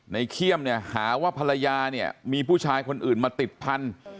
ในเคียมหาว่าภรรยามีผู้ชายคนอื่นมาติดพัน